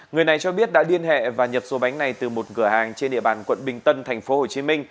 người này cho biết đã điên hệ và nhập số bánh này từ một cửa hàng trên địa bàn quận bình tân tp hcm